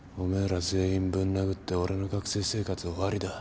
ら全員ぶん殴って俺の学生生活終わりだ。